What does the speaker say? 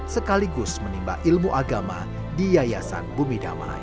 sekaligus menimba ilmu agama di yayasan bumi damai